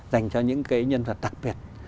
dành cho những cái nhân vật đặc biệt